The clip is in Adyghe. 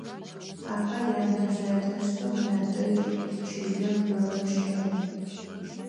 Ахэр янэжъ-ятэжъхэм адэжьи чылэм бэрэ щэӏэх.